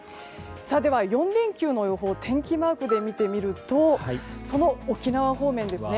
では、４連休の予報を天気マークで見てみるとその沖縄方面ですね。